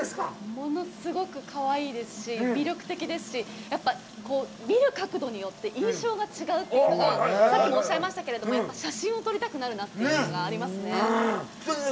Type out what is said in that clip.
物すごくかわいいですし、魅力的ですし、やっぱり見る角度によって印象が違うというのが、さっきもおっしゃいましたけれども、やっぱり写真を撮りたくなるなというのがありますね。